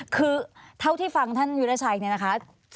คือเท่าที่ฟังท่านวิราชัยเนี่ยนะคะ